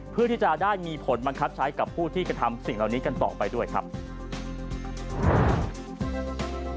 เพื่อที่จะได้มีผลบังคับใช้กับผู้ที่กระทำสิ่งเหล่านี้กันต่อไปด้วยครับ